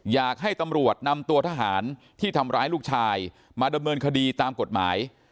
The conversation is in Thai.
อยากให้ตำรวจนำตัวทหารที่ทำร้ายลูกชายมาดำเนินคดีตามกฎหมาย